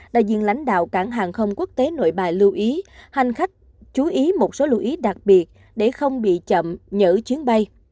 đại diện lãnh đạo cảng hàng không quốc tế nội bài lưu ý hành khách chú ý một số lưu ý đặc biệt để không bị chậm nhỡ chuyến bay